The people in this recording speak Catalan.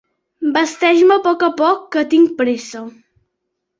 Vesteix-me a poc a poc que tinc pressa.